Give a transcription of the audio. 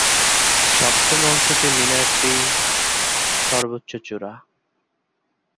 সপ্তম অংশটি মিনারটির সর্বোচ্চ চূড়া।